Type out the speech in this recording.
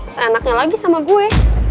seenaknya lagi sama gue